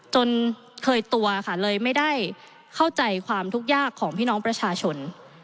จนเคยตัวค่ะเลยไม่ได้เข้าใจความทุกข์ยากของพี่น้องประชาชน